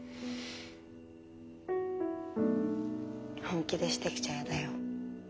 本気でしてきちゃやだよ。